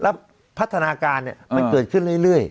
แล้วพัฒนาการมันเกิดขึ้นเรื่อย